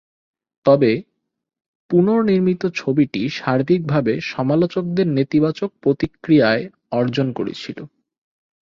তবে পুনর্নির্মিত ছবিটি সার্বিকভাবে সমালোচকদের নেতিবাচক প্রতিক্রিয়ায় অর্জন করেছিল।